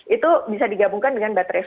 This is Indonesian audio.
itu bisa digabungkan dengan baterai